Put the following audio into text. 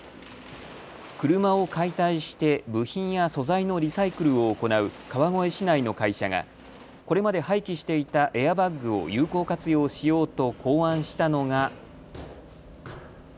車を解体して部品や素材のリサイクルを行う川越市内の会社がこれまで廃棄していたエアバッグを有効活用しようと考案したのが。